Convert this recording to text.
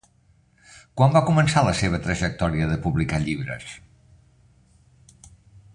Quan va començar la seva trajectòria de publicar llibres?